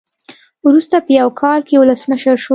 وروسته په یو کال کې ولسمشر شو.